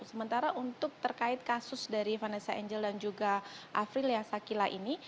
sementara untuk terkait kasus dari vanessa angel dan juga afri liasakila ini